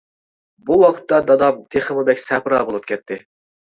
بۇ ۋاقىتتا دادام تېخىمۇ بەك سەپرا بولۇپ كەتتى.